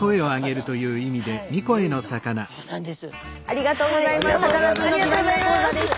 ありがとうございます。